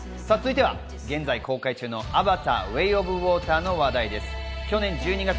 現在公開中の『アバター：ウェイ・オブ・ウォーター』の話題です。